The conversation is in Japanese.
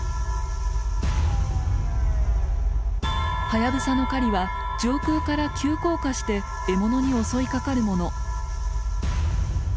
ハヤブサの狩りは上空から急降下して獲物に襲いかかるもの。